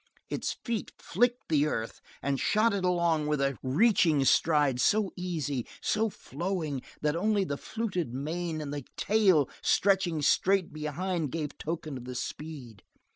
Its feet flicked the earth and shot it along with a reaching stride so easy, so flowing that only the fluttered mane and the tail stretching straight behind gave token of the speed.